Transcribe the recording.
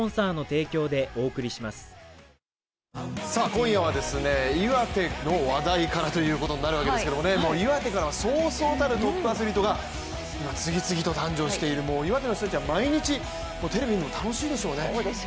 今夜は岩手の話題からということになるわけですが岩手からそうそうたるトップアスリートが次々と誕生している岩手の人たちは毎日テレビ見るの楽しみでしょうね。